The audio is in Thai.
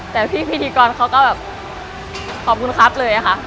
แต่พี่พิธีกรเขาก็แบบขอบคุณครับเลยค่ะ